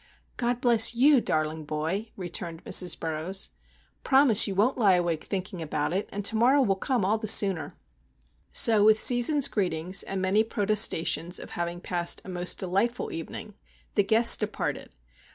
"God bless you, darling boy," returned Mrs. Burroughs. "Promise you won't lie awake thinking about it, and to morrow will come all the sooner." So, with season's greetings, and many protestations of having passed a most delightful evening, the guests departed.